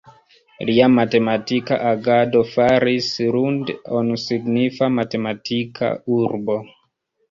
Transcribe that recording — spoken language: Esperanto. Lia matematika agado faris Lund-on signifa matematika urbo.